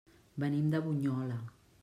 Venim de Bunyola.